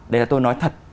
đấy là tôi nói thật